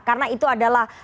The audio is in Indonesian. karena itu adalah